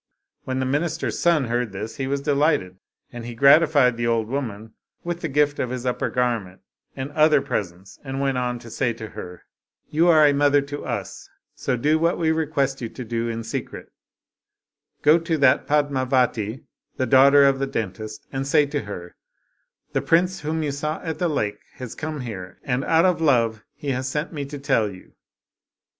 When the minister's son heard this, he was delighted, and he gratified the old woman with the gift of his upper garment and other presents, and went on to say to her, " You are a mother to us, so do what we request you to do in secret ; go to that Padmavati, the daughter of the dentist, and say to her, * The prince, whom you saw at the lake, has come here, and out of love he has sent me to tell you.'